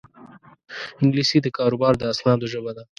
انګلیسي د کاروبار د اسنادو ژبه ده